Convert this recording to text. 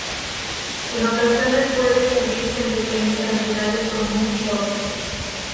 En ocasiones puede servirse en pequeñas cantidades como un shoot.